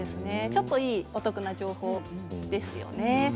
ちょっといいお得な情報ですよね。